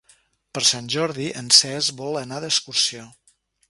Per Sant Jordi en Cesc vol anar d'excursió.